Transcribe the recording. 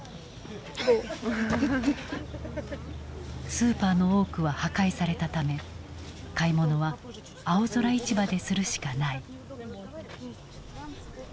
スーパーの多くは破壊されたため買い物は青空市場でするしかない。